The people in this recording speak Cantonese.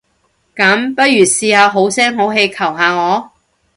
噉，不如試下好聲好氣求下我？